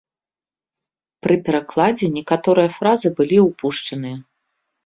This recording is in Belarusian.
Пры перакладзе некаторыя фразы былі ўпушчаныя.